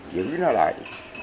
giữ nó lại